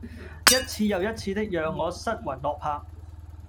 一次又一次的讓我失魂落魄